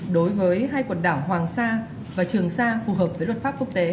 đối với hai quần đảo hoàng sa và trường sa phù hợp với luật pháp quốc tế